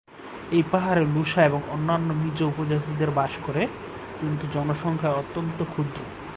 এই পাহাড়ে লুসাই এবং অন্যান্য মিজো উপজাতিদের বাস করে, কিন্তু জনসংখ্যায় অত্যন্ত ক্ষুদ্র।